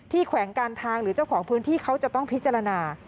แขวงการทางหรือเจ้าของพื้นที่เขาจะต้องพิจารณา